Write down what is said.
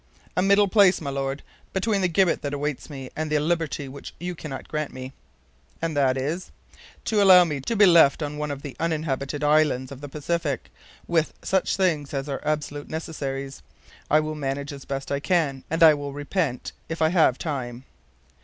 "A middle place, my Lord, between the gibbet that awaits me and the liberty which you cannot grant me." "And that is " "To allow me to be left on one of the uninhabited islands of the Pacific, with such things as are absolute necessaries. I will manage as best I can, and will repent if I have time."